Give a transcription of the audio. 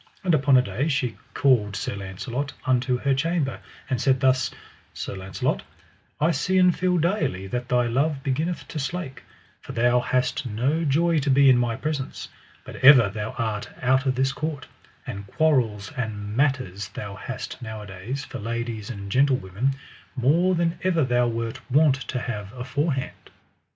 And upon a day she called Sir Launcelot unto her chamber, and said thus: Sir Launcelot, I see and feel daily that thy love beginneth to slake, for thou hast no joy to be in my presence, but ever thou art out of this court, and quarrels and matters thou hast nowadays for ladies and gentlewomen more than ever thou wert wont to have aforehand.